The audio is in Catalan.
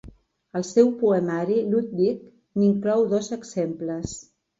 Al seu poemari Ludwig n'inclou dos exemples.